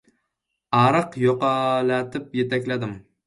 Ariq yoqalatib yetakladim.